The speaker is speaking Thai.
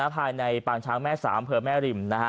ภายในปางช้างแม่สามอำเภอแม่ริม